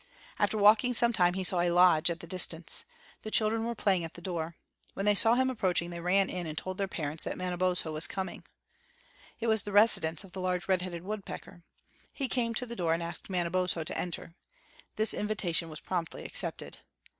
After walking some time he saw a lodge at a distance. The children were playing at the door. When they saw him approaching they ran in and told their parents that Manabozho was coming. It was the residence of the large red headed woodpecker. He came to the door and asked Manabozho to enter. This invitation was promptly accepted.